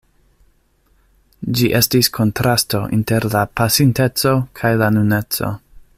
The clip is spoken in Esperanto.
Ĝi estis kontrasto inter la pasinteco kaj la nuneco.